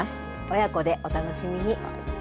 親子でお楽しみに。